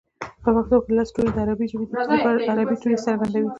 په پښتو کې لس توري د عربۍ ژبې دي چې د عربۍ توري څرګندوي